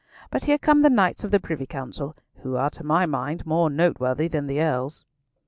But here come the Knights of the Privy Council, who are to my mind more noteworthy than the Earls."